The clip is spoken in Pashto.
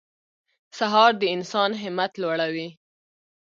سهار د انسان همت لوړوي.